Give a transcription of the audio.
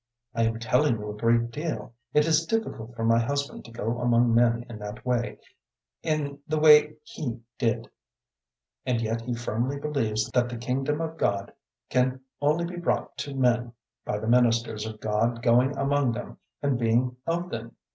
I am telling you a great deal. It is difficult for my husband to go among men in that way in the way he did. And yet he firmly believes that the Kingdom of God can only be brought to men by the ministers of God going among them and being of them.